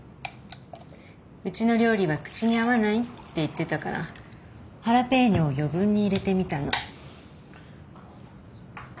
うちの料理は口に合わないって言ってたからハラペーニョを余分に入れてみたの。